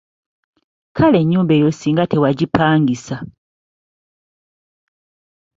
Kale ennyumba eyo singa tewagipangisa.